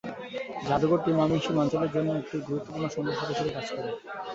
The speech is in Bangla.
জাদুঘরটি ময়মনসিংহ অঞ্চলের জন্য একটি গুরুত্বপূর্ণ সংগ্রহশালা হিসেবে কাজ করছে।